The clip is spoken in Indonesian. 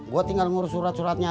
gue tinggal ngurus surat suratnya